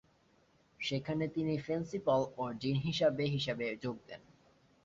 সেখানে তিনি প্রিন্সিপাল ও ডিন হিসেবে হিসেবে যোগ দেন।